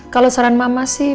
kalau saran mama sih